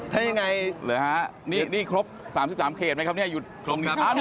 ใช่ไงนี่ครบ๓๓เขตไหมครับ